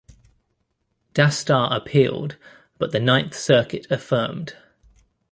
Dastar appealed, but the Ninth Circuit affirmed.